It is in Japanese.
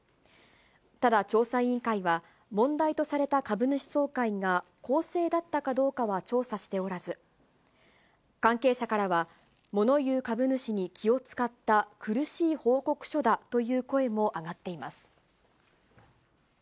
ただ、調査委員会は、問題とされた株主総会が公正だったかどうかは調査しておらず、関係者からは、物言う株主に気を遣った苦しい報告書だという声も上がっています。